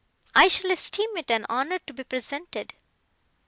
I shall esteem it an honour to be presented.